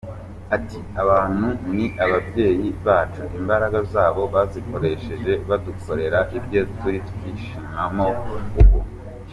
Ati “Aba bantu ni ababyeyi bacu, imbaraga zabo bazikoresheje badukorera ibyo turi kwishimamo ubu.